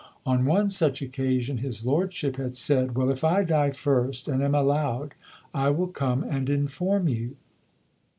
On one such occasion his lordship had said: "Well, if I die first, and am allowed, I will come and inform you."